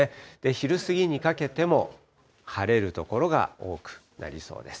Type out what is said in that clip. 昼過ぎにかけても晴れる所が多くなりそうです。